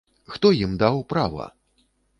Хто ім даў права?